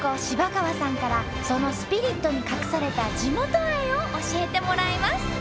芝川さんからそのスピリットに隠された地元愛を教えてもらいます！